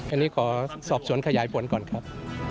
อันนี้ขอสอบสวนขยายผลก่อนครับ